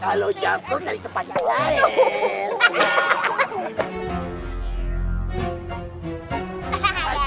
kalo jatuh jadi sepanyak